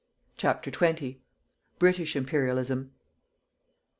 CHAPTER XX. BRITISH IMPERIALISM.